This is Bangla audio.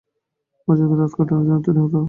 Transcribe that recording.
মজাদার রাত কাটানোর জন্য তৈরি তো?